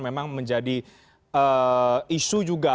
memang menjadi isu juga